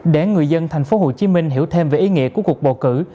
để người dân thành phố hồ chí minh hiểu thêm về ý nghĩa của cuộc bầu cử